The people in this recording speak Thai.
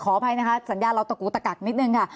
ขออภัยนะคะสัญญาณเราตกลูกตะกัดนิดหนึ่งค่ะ